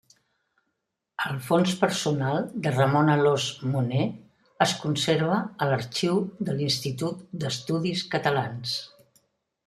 El fons personal de Ramon d'Alòs-Moner es conserva a l'arxiu de l'Institut d'Estudis Catalans.